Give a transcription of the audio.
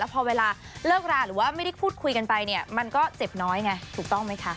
พอเวลาเลิกราหรือว่าไม่ได้พูดคุยกันไปเนี่ยมันก็เจ็บน้อยไงถูกต้องไหมคะ